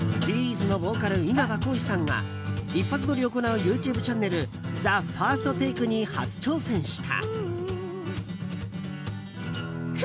’ｚのボーカル稲葉浩志さんが一発撮りを行うＹｏｕＴｕｂｅチャンネル「ＴＨＥＦＩＲＳＴＴＡＫＥ」に初挑戦した。